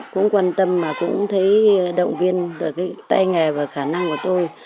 cũng quan tâm và cũng thấy động viên được cái tay nghề và khả năng của tôi